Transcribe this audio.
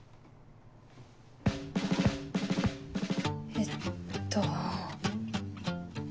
えっと。